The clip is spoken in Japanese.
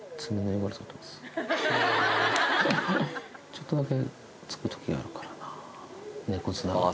ちょっとだけつくときがあるからな、猫砂が。